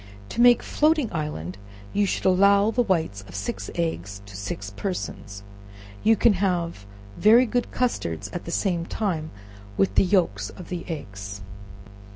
In making floating island, you should allow the whites of six eggs to six persons. You can have very good custards at the same time with the yelks of the eggs.